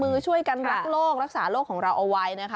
เพื่อช่วยกันรักโลกรักษาโลกของเราเอาไว้